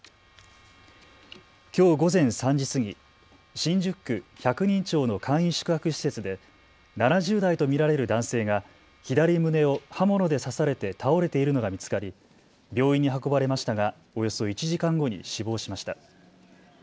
きょう午前３時過ぎ、新宿区百人町の簡易宿泊施設で７０代と見られる男性が左胸を刃物で刺されて倒れているのが見つかり病院に運ばれましたがおよそ１時間後に死亡しました。